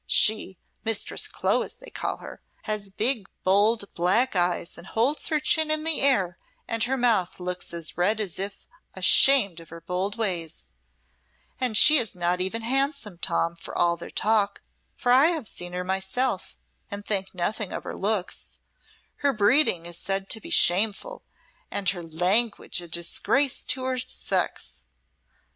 She (Mistress Clo as they call her) has big, bold, black eyes and holds her chin in the air and her mouth looks as red as if 'twere painted every hour. Every genteel woman speaks ill of her and is ashamed of her bold ways. And she is not even handsome, Tom, for all their talk, for I have seen her myself and think nothing of her looks. Her breeding is said to be shameful and her langwidge a disgrace to her secks.